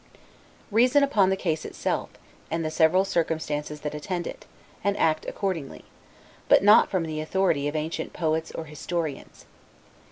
Reason upon the case itself, and the several circumstances that attend it, and act accordingly; but not from the authority of ancient poets, or historians.